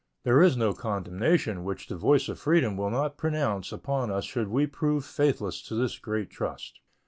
There is no condemnation which the voice of freedom will not pronounce upon us should we prove faithless to this great trust.